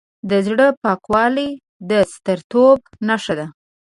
د زړه پاکوالی د سترتوب نښه ده.